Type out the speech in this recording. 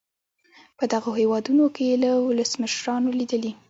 په دغو هېوادونو کې یې له ولسمشرانو لیدلي.